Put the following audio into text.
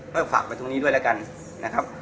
ก็ฝากไปตรงนี้ด้วยแล้วกันนะครับ